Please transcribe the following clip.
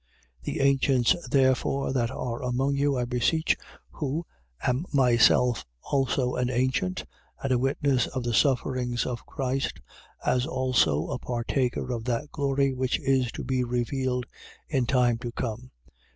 5:1. The ancients therefore that are among you, I beseech who am myself also an ancient and a witness of the sufferings of Christ, as also a partaker of that glory which is to be revealed in time to come: 5:2.